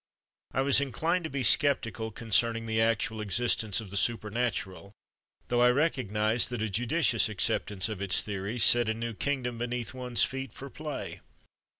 I was inclined to be sceptical concerning the actual existence of the supernatural, though I recognised that a judicious accept ance of its theories set a new kingdom beneath one's feet for play.